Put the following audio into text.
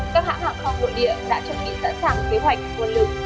các hãng hạng không nội địa đã chuẩn bị sẵn sàng kế hoạch quân lực